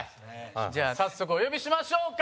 じゃあ早速、お呼びしましょうか。